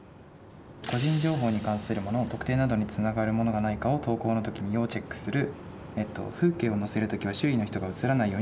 個人情報に関するもの特定などにつながるものがないかを投稿の時に要チェックする。